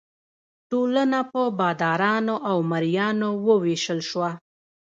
ټولنه په بادارانو او مرئیانو وویشل شوه.